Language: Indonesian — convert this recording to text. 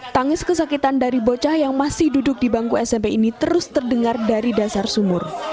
tangis kesakitan dari bocah yang masih duduk di bangku smp ini terus terdengar dari dasar sumur